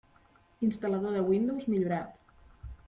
Instal·lador de Windows millorat.